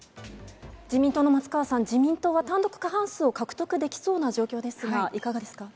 自民党の松川さん、自民党は単独過半数を獲得できそうな状況ですが、いかがですか。